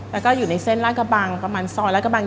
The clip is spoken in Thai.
แล้วก็อยู่ในเส้นราชกระบังประมาณซอยลาดกระบัง